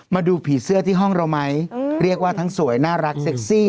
มาดูผีเสื้อที่ห้องเราไหมเรียกว่าทั้งสวยน่ารักเซ็กซี่